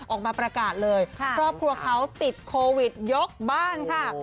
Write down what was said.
ออกมาประกาศเลยครอบครัวเขาติดโควิดยกบ้านค่ะ